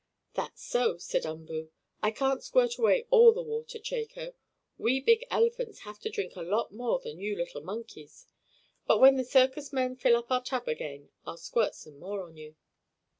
"That's so," said Umboo. "I can't squirt away all the water, Chako. We big elephants have to drink a lot more than you little monkeys. But when the circus men fill our tub again, I'll squirt some more on you."